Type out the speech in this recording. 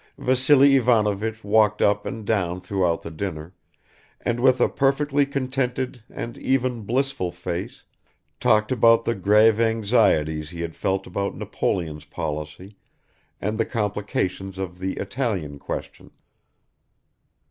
Vassily Ivanovich walked up and down throughout the dinner, and with a perfectly contented and even blissful face talked about the grave anxieties he had felt about Napoleon's policy and the complications of the Italian question.